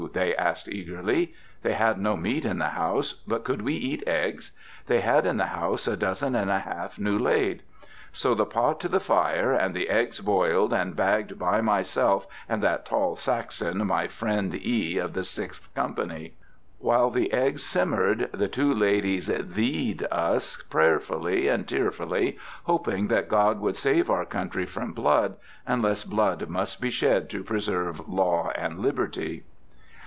they asked eagerly. "They had no meat in the house; but could we eat eggs? They had in the house a dozen and a half, new laid." So the pot to the fire, and the eggs boiled, and bagged by myself and that tall Saxon, my friend E., of the Sixth Company. While the eggs simmered, the two ladies thee ed us prayerfully and tearfully, hoping that God would save our country from blood, unless blood must be shed to preserve Law and Liberty.